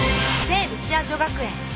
聖ルチア女学園。